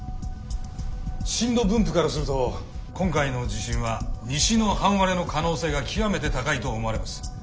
震度分布からすると今回の地震は西の半割れの可能性が極めて高いと思われます。